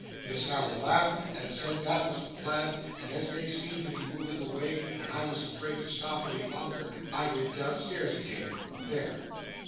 Miss Sally laughed, and said that was the plan, and as they seemed to be moving away, and I was afraid to stop any longer, I went down stairs again. There!